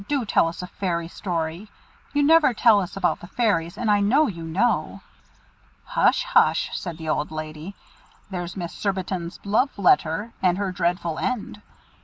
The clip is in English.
do tell us a fairy story. You never will tell us about the Fairies, and I know you know." "Hush! hush!" said the old lady. "There's Miss Surbiton's Love letter, and her Dreadful End."